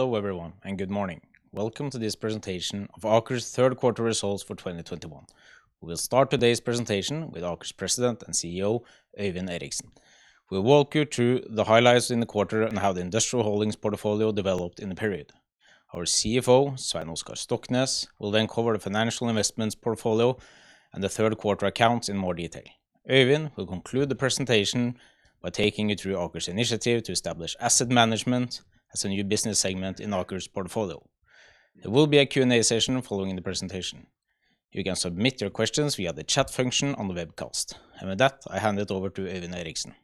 Hello everyone, and good morning. Welcome to this presentation of Aker's third quarter results for 2021. We'll start today's presentation with Aker's President and CEO, Øyvind Eriksen, who will walk you through the highlights in the quarter and how the industrial holdings portfolio developed in the period. Our CFO, Svein Oskar Stoknes, will then cover the financial investments portfolio and the third quarter accounts in more detail. Øyvind will conclude the presentation by taking you through Aker's initiative to establish asset management as a new business segment in Aker's portfolio. There will be a Q&A session following the presentation. You can submit your questions via the chat function on the webcast. With that, I hand it over to Øyvind Eriksen.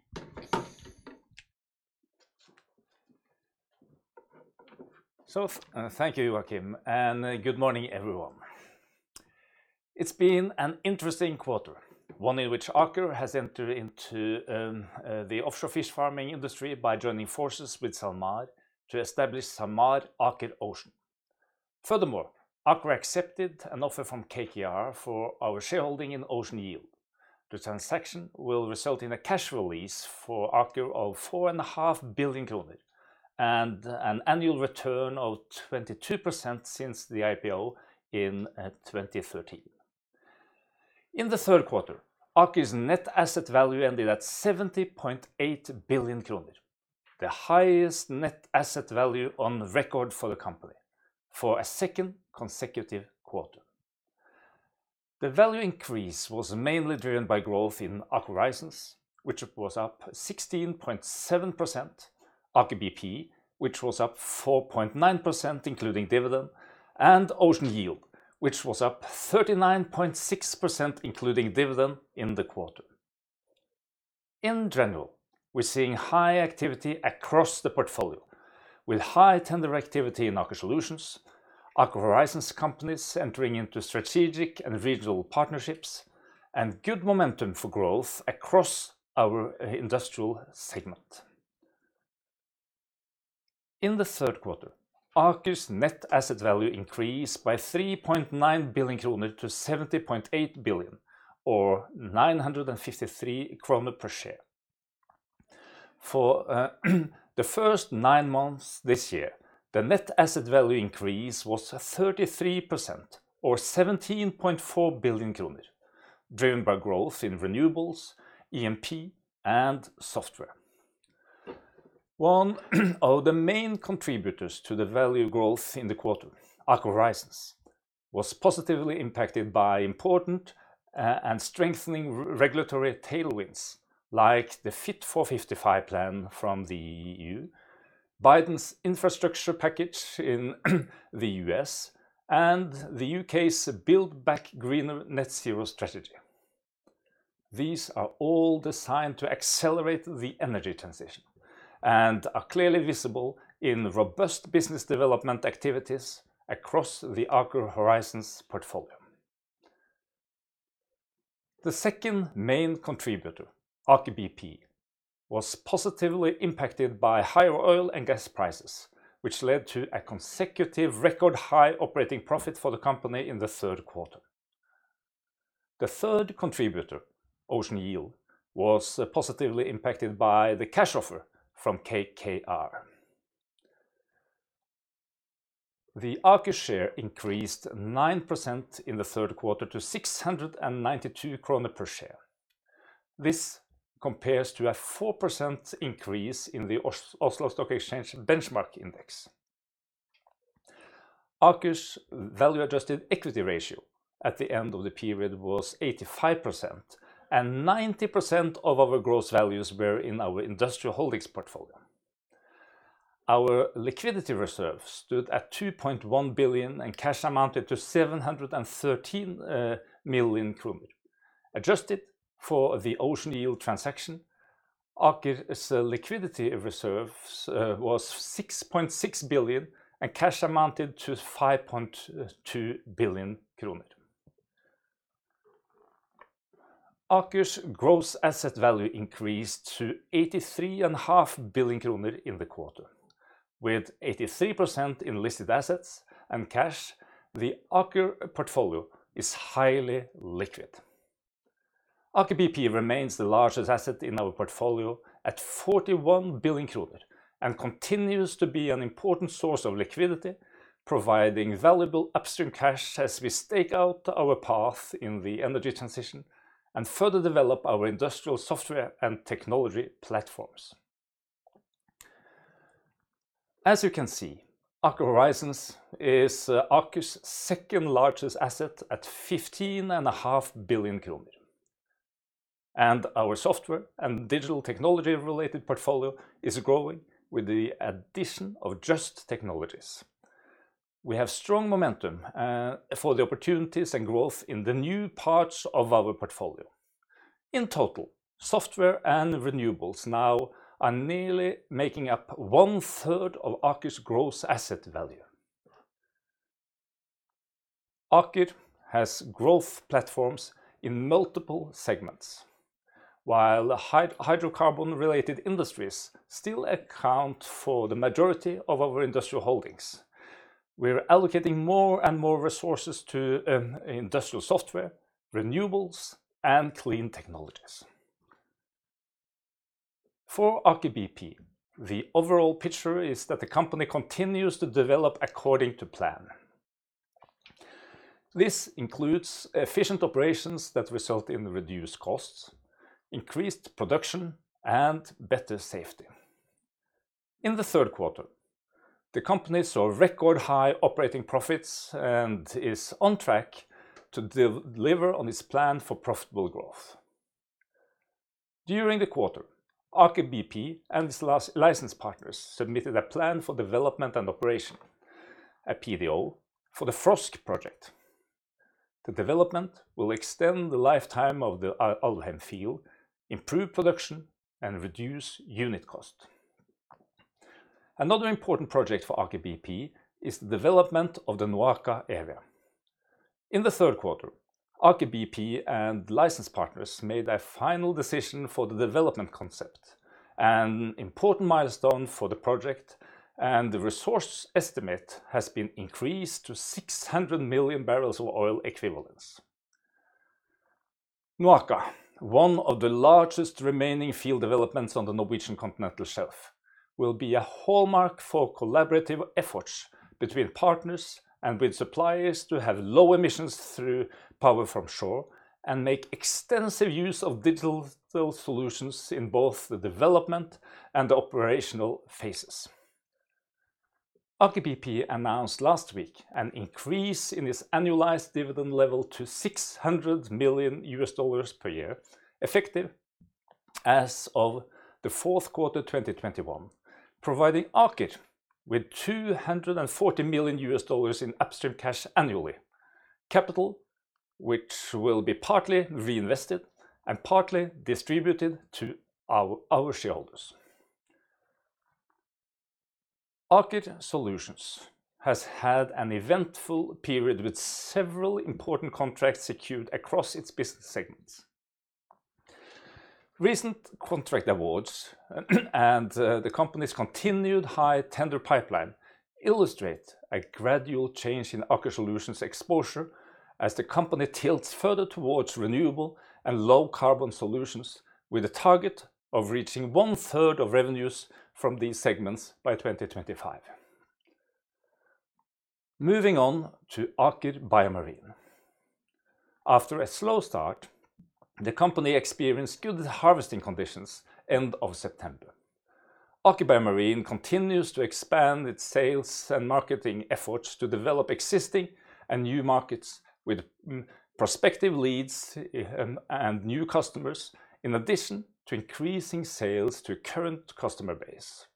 Thank you, Joachim, and good morning, everyone. It's been an interesting quarter, one in which Aker has entered into the offshore fish farming industry by joining forces with SalMar to establish SalMar Aker Ocean. Furthermore, Aker accepted an offer from KKR for our shareholding in Ocean Yield. The transaction will result in a cash release for Aker of 4.5 billion and an annual return of 22% since the IPO in 2013. In the third quarter, Aker's net asset value ended at 70.8 billion kroner, the highest net asset value on record for the company for a second consecutive quarter. The value increase was mainly driven by growth in Aker Horizons, which was up 16.7%, Aker BP, which was up 4.9% including dividend, and Ocean Yield, which was up 39.6% including dividend in the quarter. In general, we're seeing high activity across the portfolio, with high tender activity in Aker Solutions, Aker Horizons companies entering into strategic and regional partnerships, and good momentum for growth across our industrial segment. In the third quarter, Aker's net asset value increased by 3.9 billion-70.8 billion kroner, or 953 kroner per share. For the first nine months this year, the net asset value increase was 33%, or 17.4 billion kroner, driven by growth in renewables, E&P, and software. One of the main contributors to the value growth in the quarter, Aker Horizons, was positively impacted by important and strengthening regulatory tailwinds like the Fit for 55 plan from the EU, Biden's infrastructure package in the U.S., and the U.K.'s Build Back Greener Net Zero Strategy. These are all designed to accelerate the energy transition and are clearly visible in robust business development activities across the Aker Horizons portfolio. The second main contributor, Aker BP, was positively impacted by higher oil and gas prices, which led to a consecutive record high operating profit for the company in the third quarter. The third contributor, Ocean Yield, was positively impacted by the cash offer from KKR. The Aker share increased 9% in the third quarter to 692 kroner per share. This compares to a 4% increase in the Oslo Stock Exchange benchmark index. Aker's value-adjusted equity ratio at the end of the period was 85%, and 90% of our gross values were in our industrial holdings portfolio. Our liquidity reserve stood at 2.1 billion, and cash amounted to 713 million kroner. Adjusted for the Ocean Yield transaction, Aker's liquidity reserve was 6.6 billion, and cash amounted to 5.2 billion kroner. Aker's gross asset value increased to 83.5 billion kroner in the quarter. With 83% in listed assets and cash, the Aker portfolio is highly liquid. Aker BP remains the largest asset in our portfolio at 41 billion kroner and continues to be an important source of liquidity, providing valuable upstream cash as we stake out our path in the energy transition and further develop our industrial software and technology platforms. As you can see, Aker Horizons is Aker's second-largest asset at 15.5 billion kroner. Our software and digital technology-related portfolio is growing with the addition of Just Technologies. We have strong momentum for the opportunities and growth in the new parts of our portfolio. In total, software and renewables now are nearly making up 1/3 of Aker's gross asset value. Aker has growth platforms in multiple segments. While hydrocarbon-related industries still account for the majority of our industrial holdings, we're allocating more and more resources to industrial software, renewables, and clean technologies. For Aker BP, the overall picture is that the company continues to develop according to plan. This includes efficient operations that result in reduced costs, increased production, and better safety. In the third quarter, the company saw record high operating profits and is on track to deliver on its plan for profitable growth. During the quarter, Aker BP and its license partners submitted a plan for development and operation a PDO for the Frosk project. The development will extend the lifetime of the Alvheim field, improve production, and reduce unit cost. Another important project for Aker BP is the development of the Noaka area. In the third quarter, Aker BP and license partners made a final decision for the development concept, an important milestone for the project, and the resource estimate has been increased to 600 MMbbl of oil equivalents. Noaka, one of the largest remaining field developments on the Norwegian continental shelf, will be a hallmark for collaborative efforts between partners and with suppliers to have low emissions through power from shore and make extensive use of digital solutions in both the development and operational phases. Aker BP announced last week an increase in its annualized dividend level to $600 million per year, effective as of the fourth quarter 2021, providing Aker with $240 million in upstream cash annually, capital which will be partly reinvested and partly distributed to our shareholders. Aker Solutions has had an eventful period with several important contracts secured across its business segments. Recent contract awards and the company's continued high tender pipeline illustrate a gradual change in Aker Solutions exposure as the company tilts further towards renewable and low carbon solutions with a target of reaching 1/3 of revenues from these segments by 2025. Moving on to Aker BioMarine. After a slow start, the company experienced good harvesting conditions end of September. Aker BioMarine continues to expand its sales and marketing efforts to develop existing and new markets with prospective leads and new customers, in addition to increasing sales to current customer base.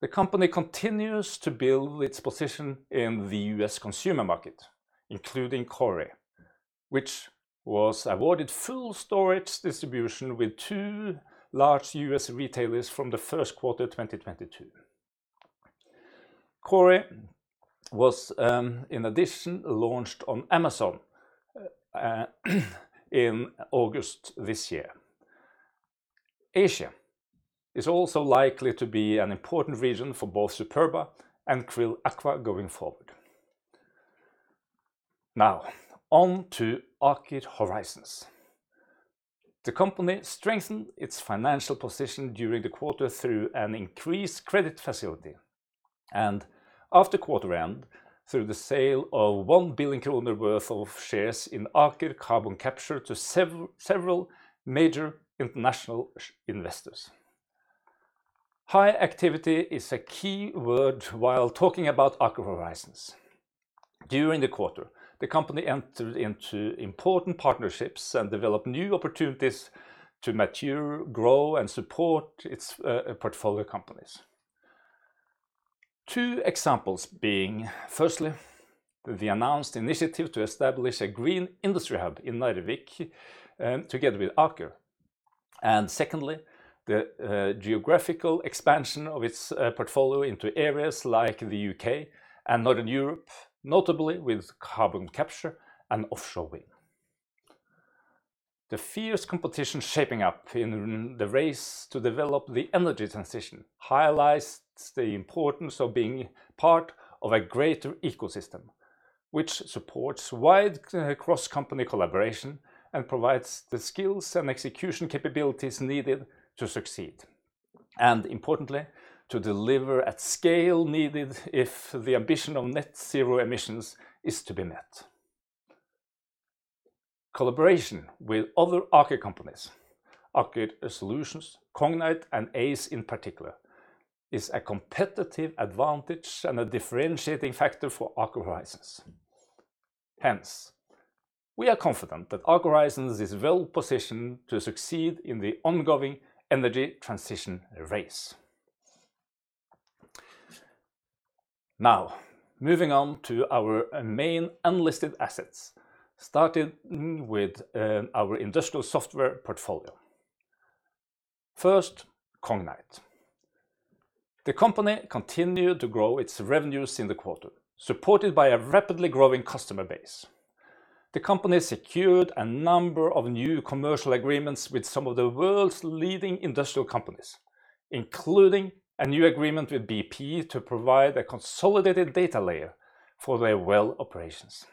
The company continues to build its position in the U.S. consumer market, including Kori, which was awarded full store distribution with two large U.S. retailers from the first quarter 2022. Kori was in addition launched on Amazon in August this year. Asia is also likely to be an important region for both Superba and Kori going forward. Now on to Aker Horizons. The company strengthened its financial position during the quarter through an increased credit facility and after quarter end, through the sale of 1 billion kroner worth of shares in Aker Carbon Capture to several major international investors. High activity is a key word while talking about Aker Horizons. During the quarter, the company entered into important partnerships and developed new opportunities to mature, grow, and support its portfolio companies. Two examples being, firstly, the announced initiative to establish a green industry hub in Narvik, together with Aker. Secondly, the geographical expansion of its portfolio into areas like the U.K. and Northern Europe, notably with carbon capture and offshore wind. The fierce competition shaping up in the race to develop the energy transition highlights the importance of being part of a greater ecosystem which supports wide cross-company collaboration and provides the skills and execution capabilities needed to succeed, and importantly, to deliver at scale needed if the ambition of net zero emissions is to be met. Collaboration with other Aker companies, Aker Solutions, Cognite, and Aize in particular, is a competitive advantage and a differentiating factor for Aker Horizons. Hence, we are confident that Aker Horizons is well-positioned to succeed in the ongoing energy transition race. Now, moving on to our main unlisted assets, starting with our industrial software portfolio. First, Cognite. The company continued to grow its revenues in the quarter, supported by a rapidly growing customer base. The company secured a number of new commercial agreements with some of the world's leading industrial companies, including a new agreement with BP to provide a consolidated data layer for their well operations.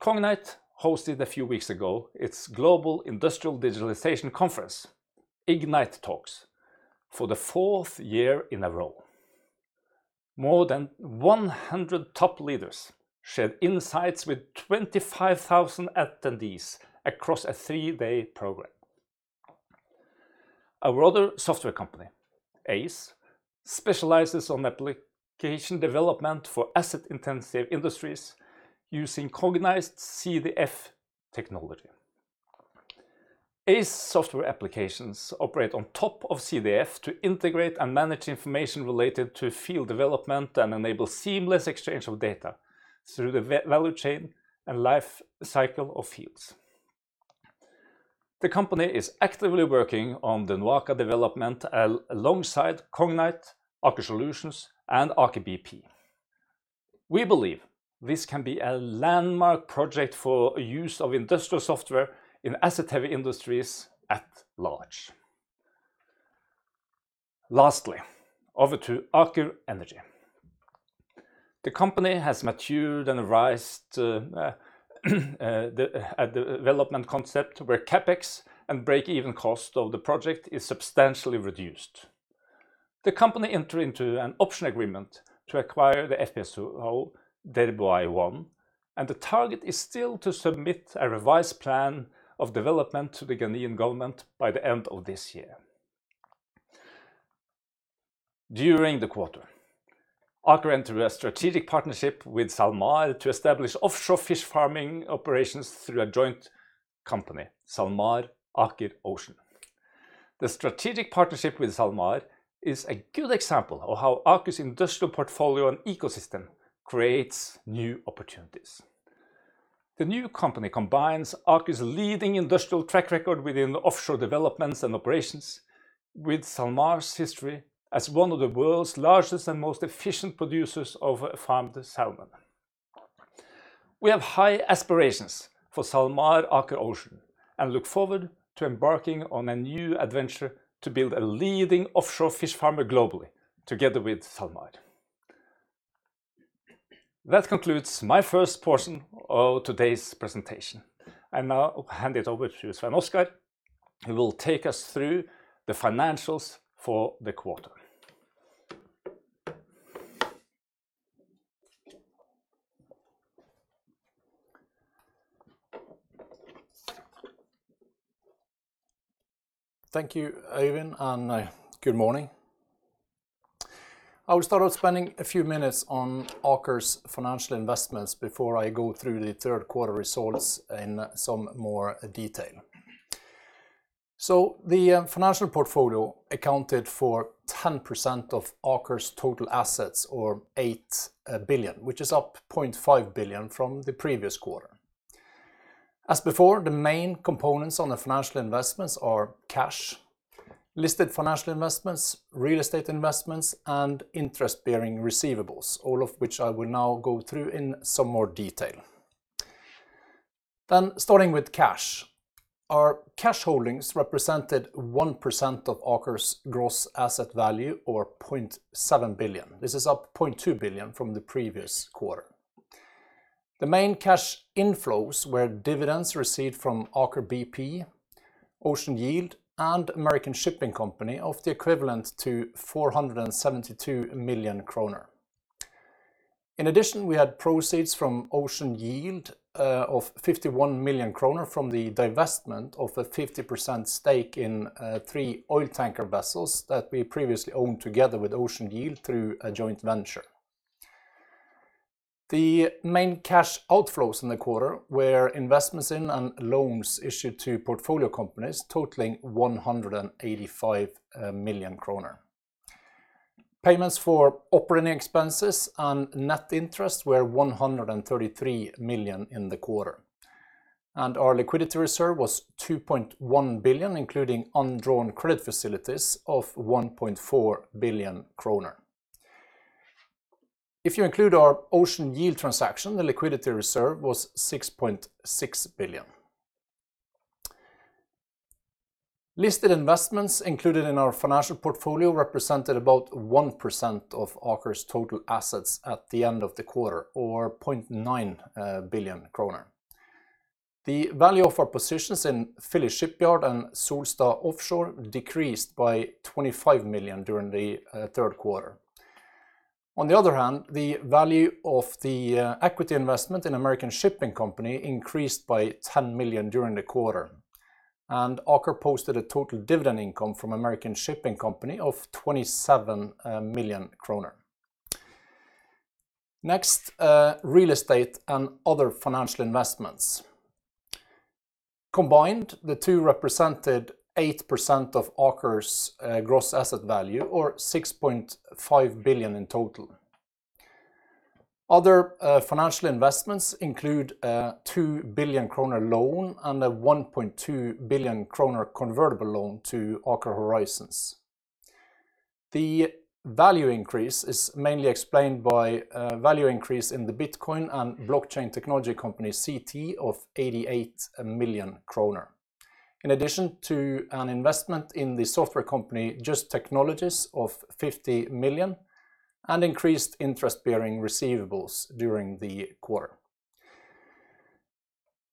Cognite hosted a few weeks ago its global industrial digitalization conference, Ignite Talks, for the fourth year in a row. More than 100 top leaders shared insights with 25,000 attendees across a three-day program. Our other software company, Aize, specializes on application development for asset-intensive industries using Cognite CDF technology. Aize software applications operate on top of CDF to integrate and manage information related to field development and enable seamless exchange of data through the value chain and life cycle of fields. The company is actively working on the Noaka development alongside Cognite, Aker Solutions, and Aker BP. We believe this can be a landmark project for use of industrial software in asset-heavy industries at large. Lastly, over to Aker Energy. The company has matured and revised the development concept where CapEx and break-even cost of the project is substantially reduced. The company enter into an option agreement to acquire the FPSO Dhirubhai-1, and the target is still to submit a revised plan of development to the Ghanaian government by the end of this year. During the quarter, Aker entered a strategic partnership with SalMar to establish offshore fish farming operations through a joint company, SalMar Aker Ocean. The strategic partnership with SalMar is a good example of how Aker's industrial portfolio and ecosystem creates new opportunities. The new company combines Aker's leading industrial track record within offshore developments and operations with SalMar's history as one of the world's largest and most efficient producers of farmed salmon. We have high aspirations for SalMar Aker Ocean and look forward to embarking on a new adventure to build a leading offshore fish farmer globally together with SalMar. That concludes my first portion of today's presentation. I now hand it over to Svein Oskar, who will take us through the financials for the quarter. Thank you, Øyvind, and good morning. I will start out spending a few minutes on Aker's financial investments before I go through the third quarter results in some more detail. The financial portfolio accounted for 10% of Aker's total assets or 8 billion, which is up 0.5 billion from the previous quarter. As before, the main components on the financial investments are cash, listed financial investments, real estate investments, and interest-bearing receivables, all of which I will now go through in some more detail. Starting with cash, our cash holdings represented 1% of Aker's gross asset value or 0.7 billion. This is up 0.2 billion from the previous quarter. The main cash inflows were dividends received from Aker BP, Ocean Yield, and American Shipping Company of the equivalent to 472 million kroner. In addition, we had proceeds from Ocean Yield of 51 million kroner from the divestment of a 50% stake in three oil tanker vessels that we previously owned together with Ocean Yield through a joint venture. The main cash outflows in the quarter were investments in and loans issued to portfolio companies totaling 185 million kroner. Payments for operating expenses and net interest were 133 million in the quarter. Our liquidity reserve was 2.1 billion, including undrawn credit facilities of 1.4 billion kroner. If you include our Ocean Yield transaction, the liquidity reserve was 6.6 billion. Listed investments included in our financial portfolio represented about 1% of Aker's total assets at the end of the quarter or 0.9 billion kroner. The value of our positions in Philly Shipyard and Solstad Offshore decreased by 25 million during the third quarter. On the other hand, the value of the equity investment in American Shipping Company increased by 10 million during the quarter. Aker posted a total dividend income from American Shipping Company of 27 million kroner. Next, real estate and other financial investments. Combined, the two represented 8% of Aker's gross asset value or 6.5 billion in total. Other financial investments include a 2 billion kroner loan and a 1.2 billion kroner convertible loan to Aker Horizons. The value increase is mainly explained by a value increase in the Bitcoin and blockchain technology company Seetee of 88 million kroner. In addition to an investment in the software company Just Technologies of 50 million and increased interest-bearing receivables during the quarter.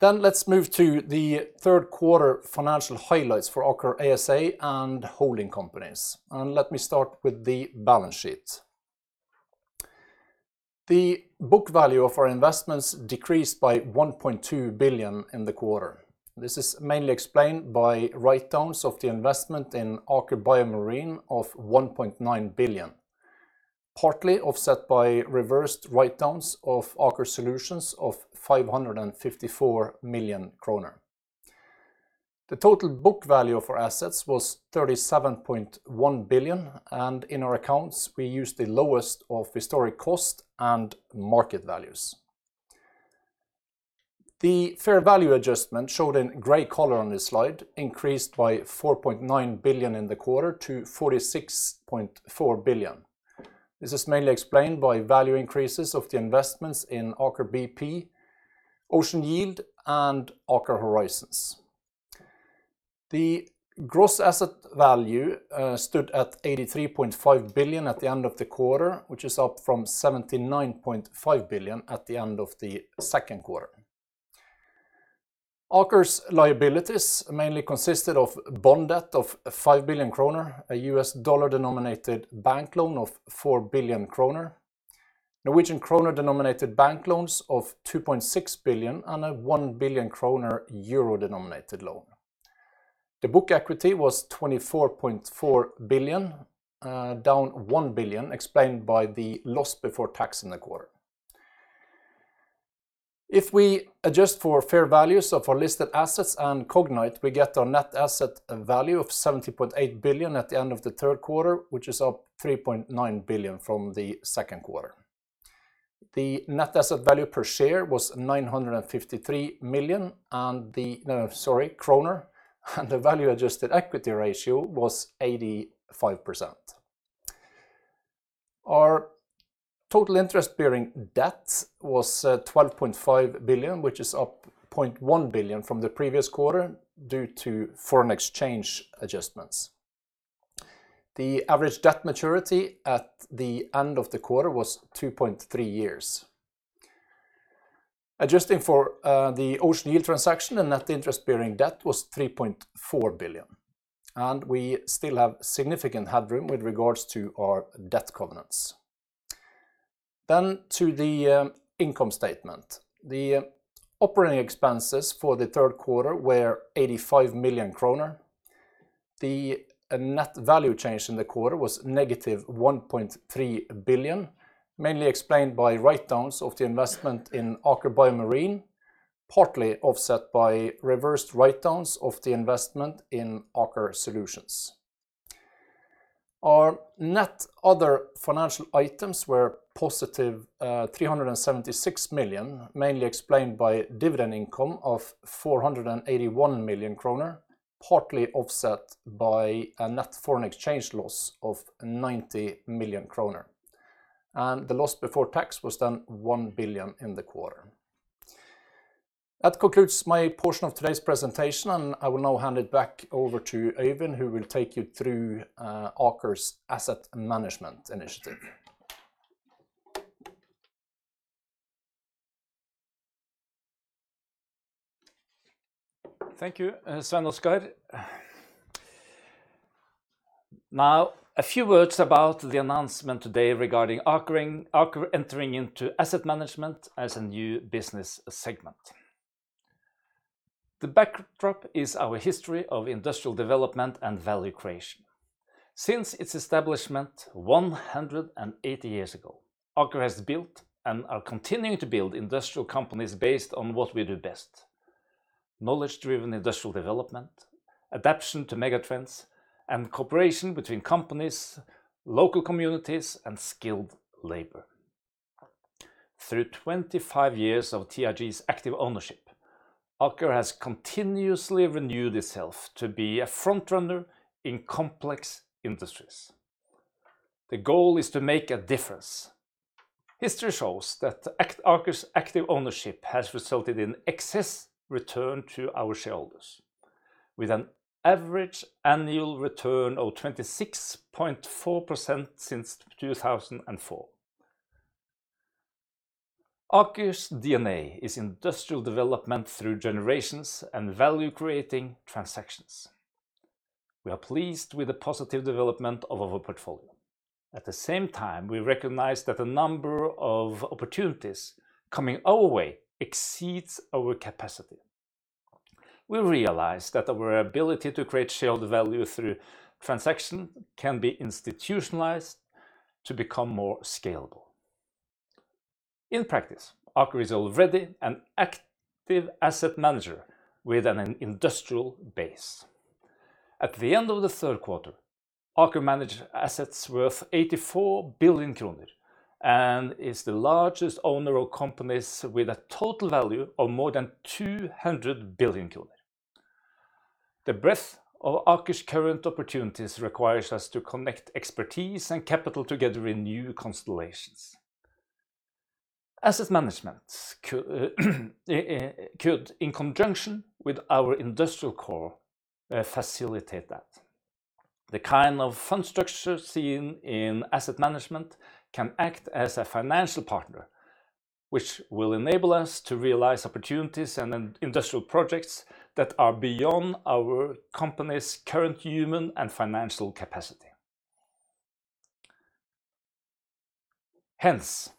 Let's move to the third quarter financial highlights for Aker ASA and holding companies. Let me start with the balance sheet. The book value of our investments decreased by 1.2 billion in the quarter. This is mainly explained by write-downs of the investment in Aker BioMarine of 1.9 billion, partly offset by reversed write-downs of Aker Solutions of 554 million kroner. The total book value of our assets was 37.1 billion, and in our accounts, we used the lowest of historic cost and market values. The fair value adjustment, shown in gray color on this slide, increased by 4.9 billion in the quarter to 46.4 billion. This is mainly explained by value increases of the investments in Aker BP, Ocean Yield, and Aker Horizons. The gross asset value stood at 83.5 billion at the end of the quarter, which is up from 79.5 billion at the end of the second quarter. Aker's liabilities mainly consisted of bond debt of 5 billion kroner, a U.S. dollar-denominated bank loan of 4 billion kroner, Norwegian kroner-denominated bank loans of 2.6 billion, and a 1 billion kroner euro-denominated loan. The book equity was 24.4 billion, down 1 billion, explained by the loss before tax in the quarter. If we adjust for fair values of our listed assets and Cognite, we get our net asset value of 70.8 billion at the end of the third quarter, which is up 3.9 billion from the second quarter. The net asset value per share was 953 million, and the value adjusted equity ratio was 85%. Our total interest-bearing debt was 12.5 billion, which is up 0.1 billion from the previous quarter due to foreign exchange adjustments. The average debt maturity at the end of the quarter was two point three years. Adjusting for the Ocean Yield transaction, net interest-bearing debt was 3.4 billion, and we still have significant headroom with regards to our debt covenants. To the income statement. The operating expenses for the third quarter were 85 million kroner. The net value change in the quarter was -1.3 billion, mainly explained by write-downs of the investment in Aker BioMarine, partly offset by reversed write-downs of the investment in Aker Solutions. Our net other financial items were +376 million, mainly explained by dividend income of 481 million kroner, partly offset by a net foreign exchange loss of 90 million kroner. The loss before tax was 1 billion in the quarter. That concludes my portion of today's presentation, and I will now hand it back over to Øyvind who will take you through Aker's asset management initiative. Thank you, Svein Oskar. Now, a few words about the announcement today regarding Aker entering into asset management as a new business segment. The backdrop is our history of industrial development and value creation. Since its establishment 180 years ago, Aker has built and are continuing to build industrial companies based on what we do best: knowledge-driven industrial development, adaptation to megatrends, and cooperation between companies, local communities, and skilled labor. Through 25 years of TRG's active ownership, Aker has continuously renewed itself to be a front runner in complex industries. The goal is to make a difference. History shows that Aker's active ownership has resulted in excess return to our shareholders, with an average annual return of 26.4% since 2004. Aker's DNA is industrial development through generations and value-creating transactions. We are pleased with the positive development of our portfolio. At the same time, we recognize that the number of opportunities coming our way exceeds our capacity. We realize that our ability to create shared value through transaction can be institutionalized to become more scalable. In practice, Aker is already an active asset manager with an industrial base. At the end of the third quarter, Aker managed assets worth 84 billion kroner and is the largest owner of companies with a total value of more than 200 billion. The breadth of Aker's current opportunities requires us to connect expertise and capital together in new constellations. Asset management could, in conjunction with our industrial core, facilitate that. The kind of fund structure seen in asset management can act as a financial partner, which will enable us to realize opportunities and industrial projects that are beyond our company's current human and financial capacity. Hence,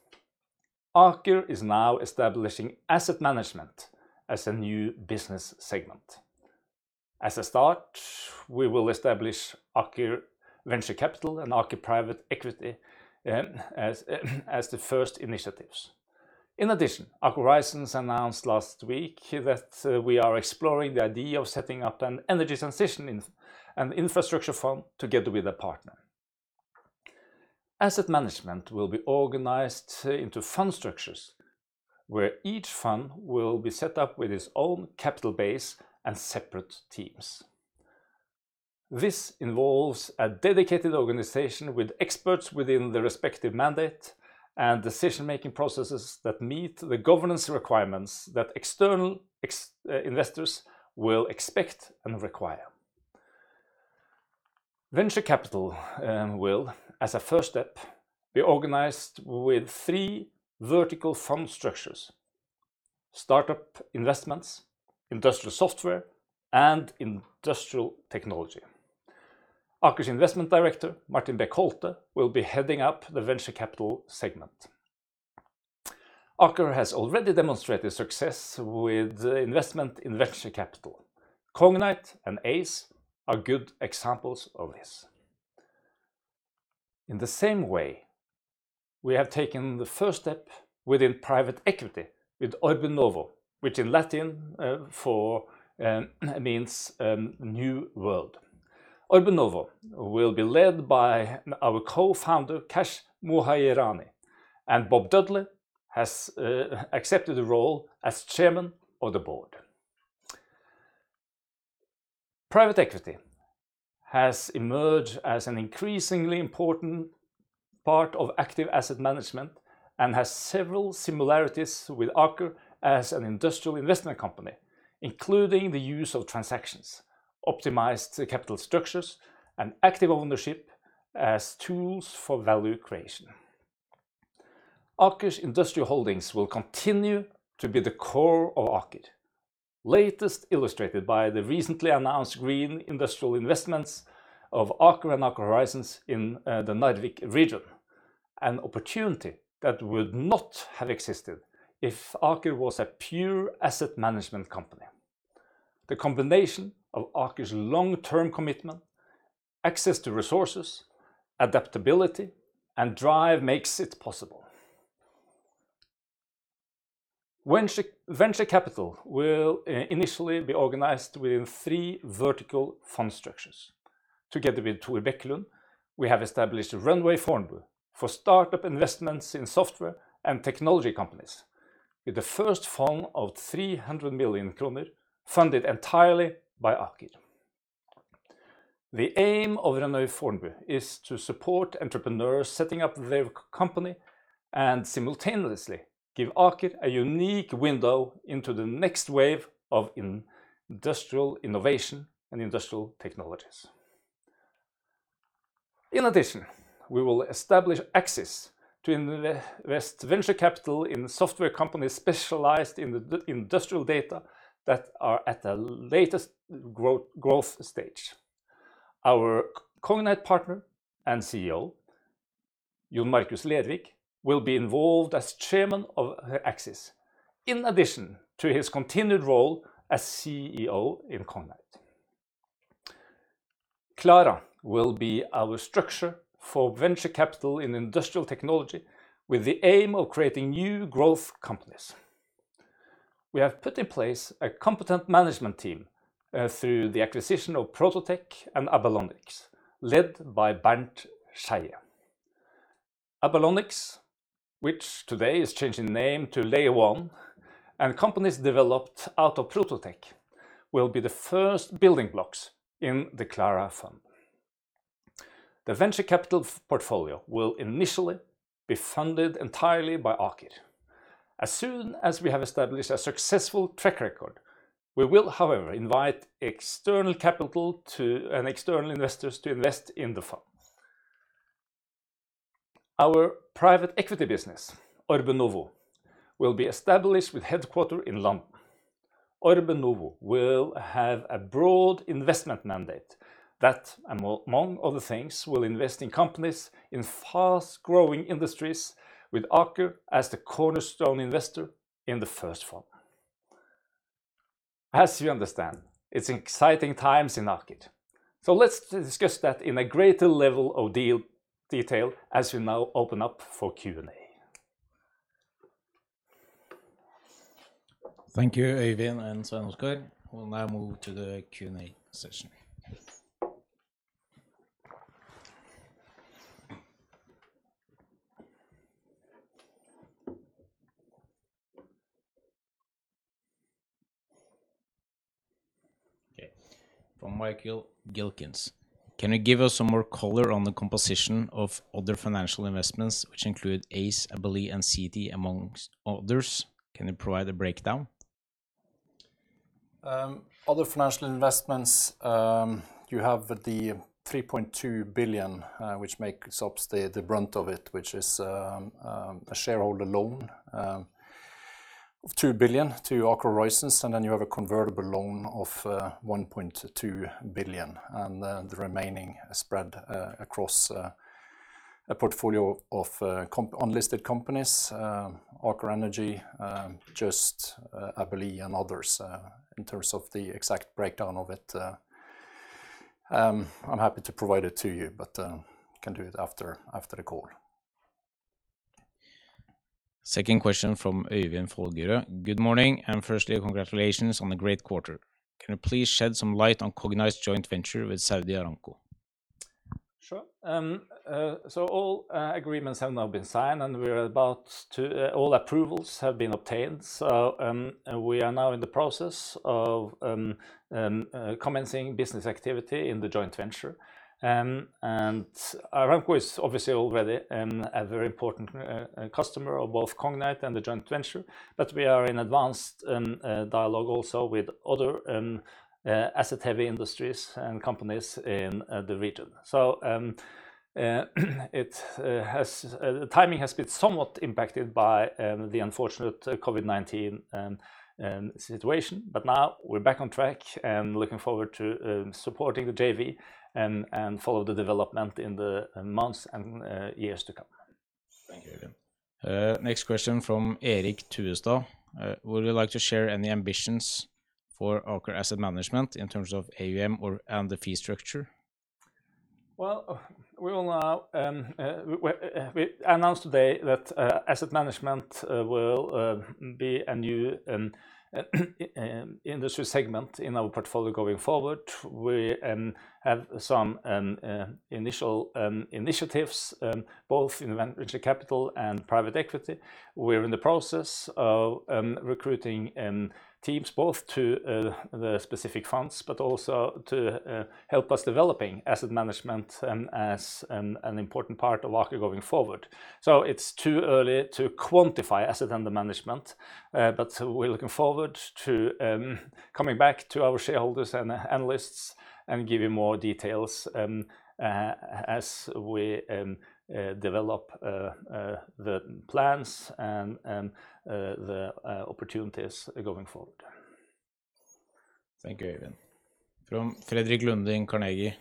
Aker is now establishing asset management as a new business segment. As a start, we will establish Aker Venture Capital and Aker Private Equity as the first initiatives. In addition, Aker Horizons announced last week that we are exploring the idea of setting up an energy transition infrastructure fund together with a partner. Asset management will be organized into fund structures, where each fund will be set up with its own capital base and separate teams. This involves a dedicated organization with experts within the respective mandate and decision-making processes that meet the governance requirements that external investors will expect and require. Venture capital will, as a first step, be organized with three vertical fund structures, startup investments, industrial software, and industrial technology. Aker's Investment Director, Martin Bech Holte, will be heading up the venture capital segment. Aker has already demonstrated success with investment in venture capital. Cognite and Aize are good examples of this. In the same way, we have taken the first step within private equity with OrbeNovo, which in Latin means new world. OrbeNovo will be led by our co-founder, Khash Mohajerani, and Bob Dudley has accepted the role as Chairman of the Board. Private equity has emerged as an increasingly important part of active asset management and has several similarities with Aker as an industrial investment company, including the use of transactions, optimized capital structures, and active ownership as tools for value creation. Aker's industrial holdings will continue to be the core of Aker, latest illustrated by the recently announced green industrial investments of Aker and Aker Horizons in the Nordic region, an opportunity that would not have existed if Aker was a pure asset management company. The combination of Aker's long-term commitment, access to resources, adaptability, and drive makes it possible. Venture capital will initially be organized within three vertical fund structures. Together with Tor Bækkelund, we have established Runway Fornebu for startup investments in software and technology companies, with the first fund of 300 million kroner funded entirely by Aker. The aim of Runway Fornebu is to support entrepreneurs setting up their company and simultaneously give Aker a unique window into the next wave of industrial innovation and industrial technologies. In addition, we will establish Axys to invest venture capital in software companies specialized in the industrial data that are at the latest growth stage. Our Cognite partner and CEO, John Markus Lervik, will be involved as chairman of Axys in addition to his continued role as CEO in Cognite. Clara will be our structure for venture capital in industrial technology with the aim of creating new growth companies. We have put in place a competent management team through the acquisition of Prototek and Abalonyx, led by Bernt Skeie. Abalonyx, which today is changing name to LayerOne, and companies developed out of Prototek will be the first building blocks in the Clara fund. The venture capital portfolio will initially be funded entirely by Aker. As soon as we have established a successful track record, we will, however, invite external capital to, and external investors to invest in the fund. Our private equity business, OrbeNovo, will be established with headquarters in London. OrbeNovo will have a broad investment mandate that, among other things, will invest in companies in fast-growing industries with Aker as the cornerstone investor in the first fund. As you understand, it's exciting times in Aker, so let's discuss that in a greater level of deal detail as we now open up for Q&A. Thank you, Øyvind and Svein Oskar Stoknes. We'll now move to the Q&A session. Okay. From Michael Gielkens, "Can you give us some more color on the composition of other financial investments which include Aize, Agilyx and Seetee amongst others? Can you provide a breakdown? Other financial investments, you have the 3.2 billion, which makes up the brunt of it, which is a shareholder loan of 2 billion to Aker Horizons, and then you have a convertible loan of 1.2 billion, and then the remaining spread across a portfolio of unlisted companies, Aker Energy, just Agilyx and others. In terms of the exact breakdown of it, I'm happy to provide it to you, but can do it after the call. Second question from Øivind Fogdø. "Good morning, and firstly, congratulations on the great quarter. Can you please shed some light on Cognite's joint venture with Saudi Aramco? Sure, all agreements have now been signed, and all approvals have been obtained, so we are now in the process of commencing business activity in the joint venture. Aramco is obviously already a very important customer of both Cognite and the joint venture, but we are in advanced dialogue also with other asset-heavy industries and companies in the region. The timing has been somewhat impacted by the unfortunate COVID-19 situation, but now we're back on track and looking forward to supporting the JV and follow the development in the months and years to come. Thank you Øyvind. Next question from Erik Kjelstad. "Would you like to share any ambitions for Aker Asset Management in terms of AUM or, and the fee structure? We will now announce today that asset management will be a new industry segment in our portfolio going forward. We have some initial initiatives both in venture capital and private equity. We're in the process of recruiting teams both to the specific funds, but also to help us developing asset management as an important part of Aker going forward. It's too early to quantify asset under management, but we're looking forward to coming back to our shareholders and analysts and give you more details as we develop the plans and the opportunities going forward. Thank you Øyvind. From Fredrik Lunde, Carnegie,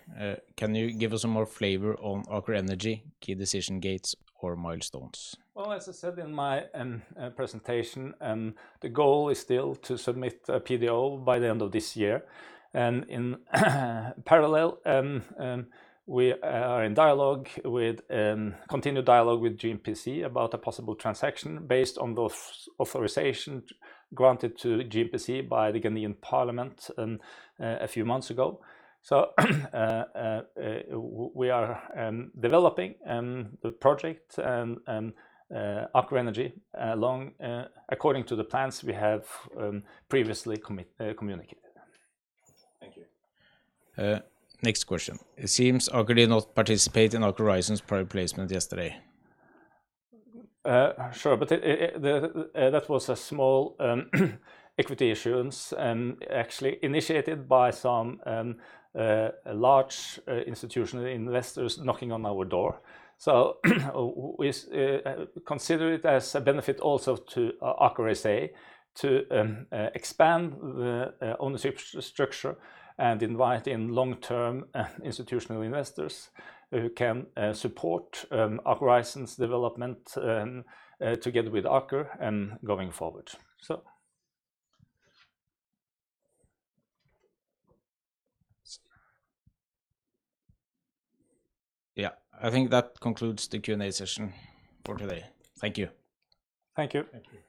"Can you give us some more flavor on Aker Energy key decision gates or milestones? Well, as I said in my presentation, the goal is still to submit a PDO by the end of this year. In parallel, we are in continued dialogue with GNPC about a possible transaction based on the authorization granted to GNPC by the Ghanaian parliament a few months ago. We are developing the Aker Energy project according to the plans we have previously communicated. Thank you. Next question. "It seems Aker did not participate in Aker Horizons private placement yesterday. Sure. That was a small equity issuance actually initiated by some large institutional investors knocking on our door. We consider it as a benefit also to Aker ASA to expand the ownership structure and invite in long-term institutional investors who can support Aker Horizons' development together with Aker going forward. Yeah. I think that concludes the Q&A session for today. Thank you. Thank you. Thank you.